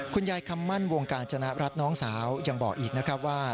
คำมั่นวงการจนรัฐน้องสาวยังบอกอีกนะครับว่า